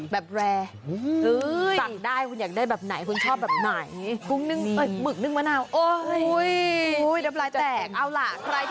แบบแรร์สักได้คุณอยากได้แบบไหนคุณชอบแบบไหนมึกนึ่งมะนาวโอ้ยน้ำลายแตกเอาล่ะ